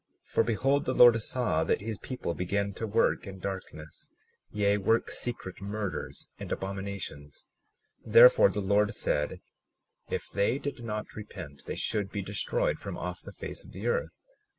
37:22 For behold, the Lord saw that his people began to work in darkness, yea, work secret murders and abominations; therefore the Lord said, if they did not repent they should be destroyed from off the face of the earth.